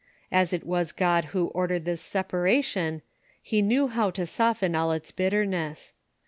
As it was God who ordered this separation, he knew how to soften all its bitterness.